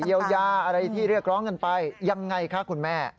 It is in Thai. เยียวยาอะไรที่เรียกร้องกันไปยังไงคะคุณแม่